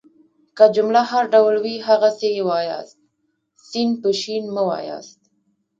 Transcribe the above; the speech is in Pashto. که جمله هر ډول وي هغسي يې وایاست. س په ش مه واياست.